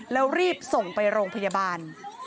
แล้วรีบส่งไปโรงพยาบาล